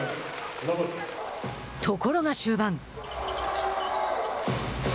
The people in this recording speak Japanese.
ところが終盤。